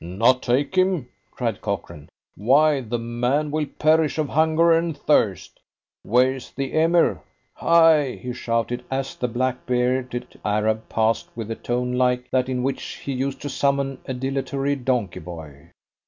"Not take him!" cried Cochrane. "Why, the man will perish of hunger and thirst. Where's the Emir? Hi!" he shouted, as the black bearded Arab passed, with a tone like that in which he used to summon a dilatory donkey boy.